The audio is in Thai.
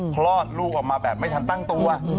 คลอดลูกออกมาแบบไม่ทันตั้งตัว